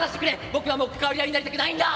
僕はもう関わり合いになりたくないんだ！」。